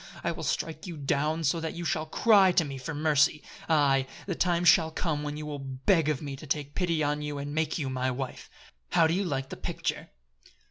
I will strike you down so that you shall cry to me for mercy! Aye, the time shall come when you will beg of me to take pity on you and make you my wife! How do you like the picture?"